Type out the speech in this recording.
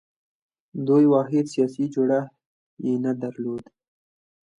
دوی واحد سیاسي جوړښت یې نه درلود